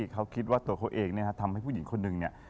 เขาคิดว่าตัวเขาเองเนี่ยทำให้ผู้หญิงคนหนึ่งเนี่ย